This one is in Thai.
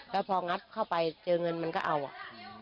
แล้วพองัดเข้าไปเจอเงินมันก็เอาอ่ะ